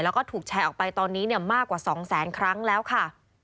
แล้วก็ถูกแชร์ออกไปตอนนี้มากกว่า๒แสนครั้งแล้วค่ะ